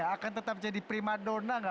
akan tetap jadi prima donna